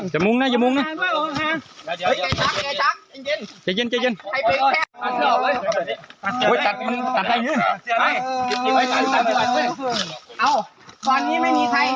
จมุงนะอย่ามุงรอเลยเอาความนี้ไม่มีใครให้ผม